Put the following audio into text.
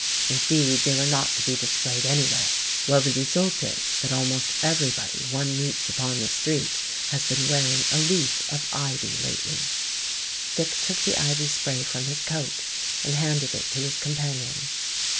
Indeed, they were not to be displayed anywhere. Well, the result is, that almost everybody one meets upon the street has been wearing a leaf of ivy lately." Dick took the ivy spray from his coat and handed it to his companion.